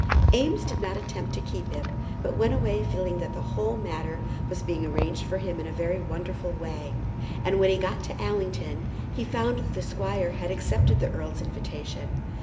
Eames did not attempt to keep him, but went away feeling that the whole matter was being arranged for him in a very wonderful way. And when he got to Allington he found that the squire had accepted the earl's invitation.